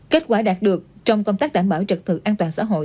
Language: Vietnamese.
kết quả đạt được trong công tác đảm bảo trật tự an toàn xã hội